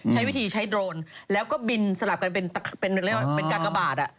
ใช้วิธีใช้โดรนแล้วก็บินสลับกันเป็นกากบาท